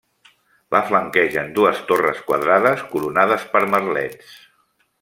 La flanquegen dues torres quadrades coronades per merlets.